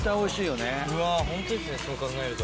うわホントですねそう考えると。